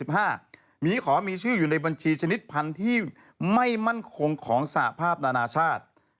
หมีขอมีชื่ออยู่ในบัญชีชนิดพันธุ์ที่ไม่มั่นคงของสหภาพนานาชาติ